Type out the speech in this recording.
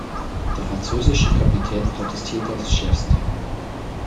Der französische Kapitän protestierte aufs Schärfste.